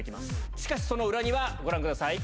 しかし、その裏には、ご覧ください。